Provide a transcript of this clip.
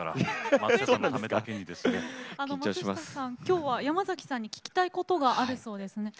松下さん、きょうは山崎さんに聞きたいことがあるそうですね。